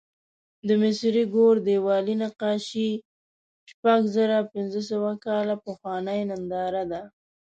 د مصري ګور دیوالي نقاشي شپږزرهپینځهسوه کاله پخوانۍ ننداره ده.